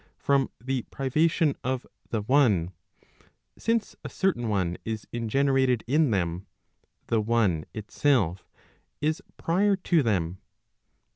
from the privation of the one, since a certain one is ingenerated in them, the one itself is prior to them.